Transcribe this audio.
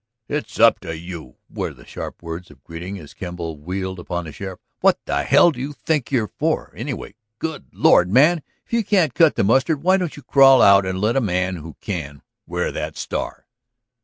"It's up to you," were the sharp words of greeting as Kemble wheeled upon the sheriff. "What the hell do you think you're for, anyway? Good Lord, man, if you can't cut the mustard, why don't you crawl out and let a man who can wear your star?"